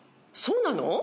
そうなの？